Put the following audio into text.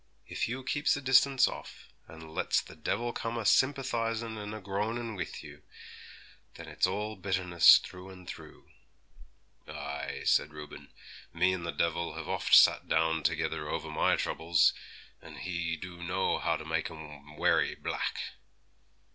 If you keeps a distance off, and lets the devil come a sympathisin' and a groanin' with you, then it's all bitterness through and through.' 'Ay,' said Reuben, 'me and the devil have oft sat down together over my troubles; and he do know how to make 'em werry black!'